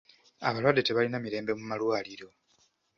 Abalwadde tebalina mirembe mu malwaliro.